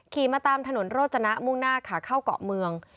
ขี่มาตามถนนโรจนะมุ่งหน้าขาเข้าเกาะเมือง